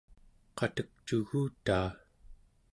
qatekcugutaa